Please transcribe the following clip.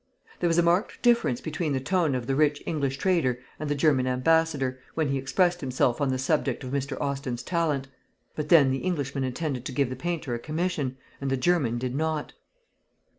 There was a marked difference between the tone of the rich English trader and the German ambassador, when he expressed himself on the subject of Mr. Austin's talent; but then the Englishman intended to give the painter a commission, and the German did not.